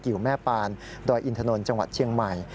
แม่ปานดอยอินทนนท์จังหวัดเชียงใหม่